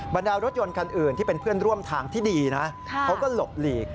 บรรดารถยนต์คันอื่นที่เป็นเพื่อนร่วมทางที่ดีนะเขาก็หลบหลีก